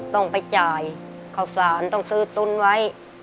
ต้องไปจ่ายข้าวสารต้องซื้อตุ้นไว้